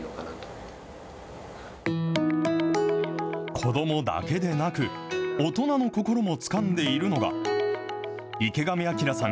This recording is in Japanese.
子どもだけでなく、大人の心もつかんでいるのが、池上彰さん